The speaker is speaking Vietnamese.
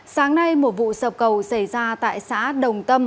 sáng nay một vụ sập cầu xảy ra tại xã đồng tâm